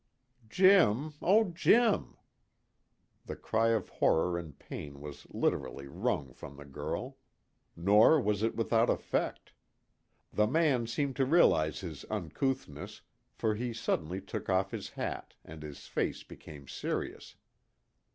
"Jim oh, Jim!" The cry of horror and pain was literally wrung from the girl. Nor was it without effect. The man seemed to realize his uncouthness, for he suddenly took off his hat, and his face became serious.